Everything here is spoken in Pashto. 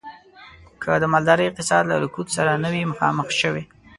که د مالدارۍ اقتصاد له رکود سره نه وی مخامخ شوی.